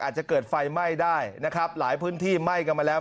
อาจจะเกิดไฟไหม้ได้นะครับหลายพื้นที่ไหม้กันมาแล้ว